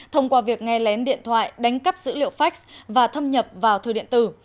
thông qua việc nghe lén điện thoại đánh cắp dữ liệu fax và thâm nhập vào thư điện tử